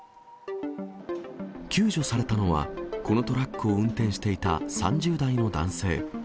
救助されたのは、このトラックを運転していた３０代の男性。